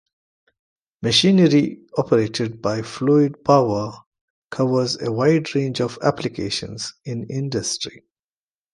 Machinery operated by fluid power covers a wide range of applications in industry.